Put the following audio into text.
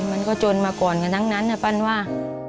มันก็จนมาก่อนกันทั้งนั้นนะปั้นว่า